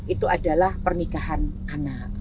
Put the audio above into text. itu adalah pernikahan anak